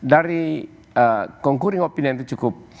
dari congkuring opinion itu cukup